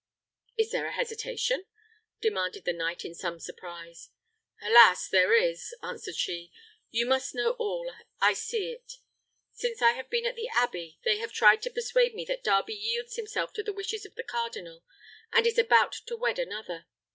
"Is there a hesitation?" demanded the knight in some surprise. "Alas! there is," answered she. "You must know all: I see it. Since I have been at the abbey they have tried to persuade me that Darby yields himself to the wishes of the cardinal; and is about to wed another.